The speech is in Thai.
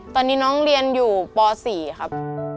ตอนนี้น้องเรียนอยู่ป๔ครับ